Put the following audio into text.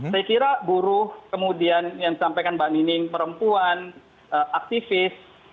saya kira buruh kemudian yang disampaikan mbak nining perempuan aktivis